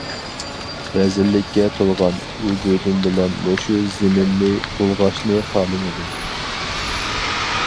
رەزىللىككە تولغان ۋۇجۇدۇم بىلەن مۇشۇ زېمىننى بۇلغاشنى خالىمىدىم.